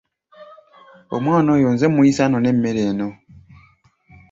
Omwana oyo nze muyise anone emmere eno.